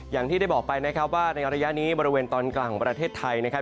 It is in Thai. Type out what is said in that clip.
อย่างที่ได้บอกไปนะครับว่าในระยะนี้บริเวณตอนกลางของประเทศไทยนะครับ